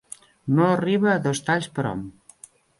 No arriba a dos talls perhom.